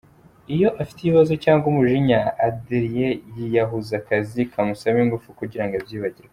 Iyo afite ikibazo cyangwa umujinya, Adrien yiyahuza akazi kamusaba ingufu kugira ngo abyibagirwe.